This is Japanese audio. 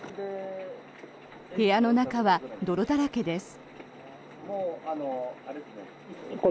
部屋の中は泥だらけです。